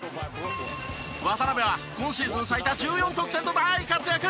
渡邊は今シーズン最多１４得点と大活躍！